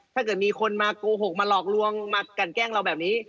ถ้าเกิดมีคนมาโกหกมาหลอกลวงมากันแกล้งเราแบบนี้